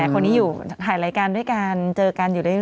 คนนี้อยู่ถ่ายรายการด้วยกันเจอกันอยู่ด้วยกัน